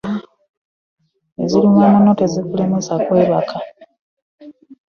Eziruma munno tezikulemesa kwebaka .